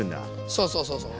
そうそうそうそう。